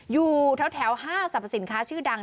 อยู่แถวห้างสรรพสินค้าชื่อดัง